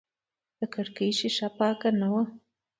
د کړکۍ شیشه پاکه نه وه.